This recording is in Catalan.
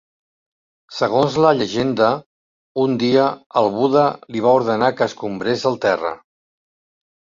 Segons la llegenda, un dia el Buda li va ordenar que escombrés el terra.